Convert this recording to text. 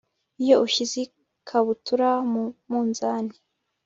iyo ushyize ikabutura mu munzani